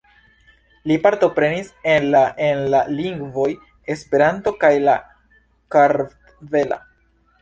Li partoprenis en la en la lingvoj Esperanto kaj la kartvela.